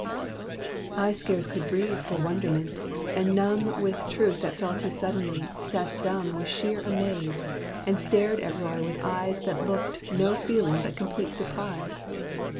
I scarce could breathe for wonderment; and numb With truth that fell too suddenly, sat dumb With sheer amaze, and stared at Roy with eyes That looked no feeling but complete surprise.